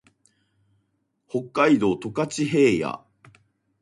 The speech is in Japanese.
北海道十勝平野